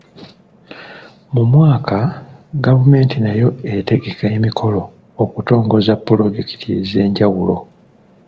Mu mwaka, gavumenti nayo etegeka emikolo okutongoza pulojekiti ez'enjawulo.